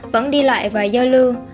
vẫn đi lại và do lưu